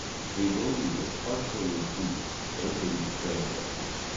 The movie was harshly received, ending the franchise.